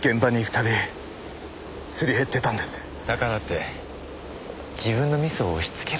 だからって自分のミスを押しつけるなんて。